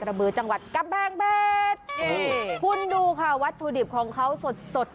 บือจังหวัดกำแพงเพชรคุณดูค่ะวัตถุดิบของเขาสดสด